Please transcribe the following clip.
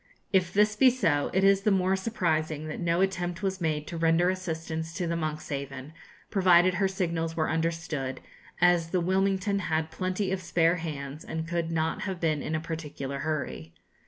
If this be so, it is the more surprising that no attempt was made to render assistance to the 'Monkshaven,' provided her signals were understood, as the 'Wilmington' had plenty of spare hands, and could not have been in a particular hurry.